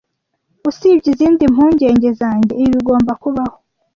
Usibye izindi mpungenge zanjye, ibi bigomba kubaho.